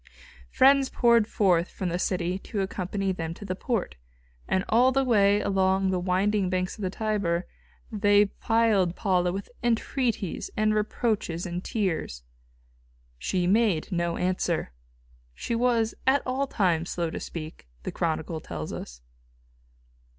Friends poured forth from the city to accompany them to the port, and all the way along the winding banks of the Tiber they plied Paula with entreaties and reproaches and tears. She made no answer. She was at all times slow to speak, the chronicle tells us.